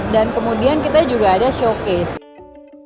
dan kemudian kita juga ada showcase